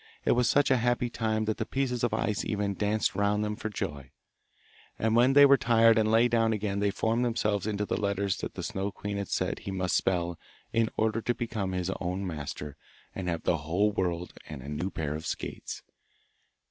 It was such a happy time that the pieces of ice even danced round them for joy, and when they were tired and lay down again they formed themselves into the letters that the Snow queen had said he must spell in order to become his own master and have the whole world and a new pair of skates.